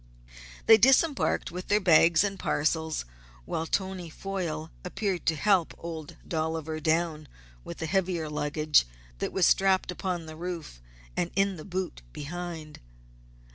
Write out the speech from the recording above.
They disembarked with their bags and parcels, while Tony Foyle appeared to help Old Dolliver down with the heavier luggage that was strapped upon the roof and in the boot behind.